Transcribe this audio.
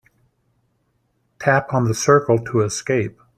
Tap on the circle to escape.